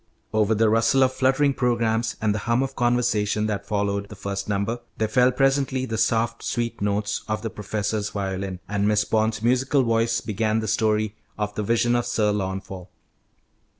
Over the rustle of fluttering programmes and the hum of conversation that followed the first number, there fell presently the soft, sweet notes of the professor's violin, and Miss Bond's musical voice began the story of the Vision of Sir Launfal.